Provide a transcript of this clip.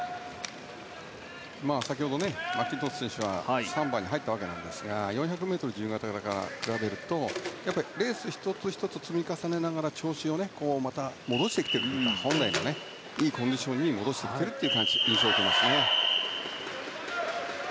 先ほどマッキントッシュ選手は３番に入ったわけですが４００ｍ自由形と比べるとやっぱりレース１つ１つを積み重ねながら調子をまた戻していくというか本来のいいコンディションに戻してきているという印象を受けましたね。